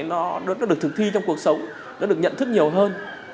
nó được thực thi trong cuộc sống nó được nhận thức nhiều hơn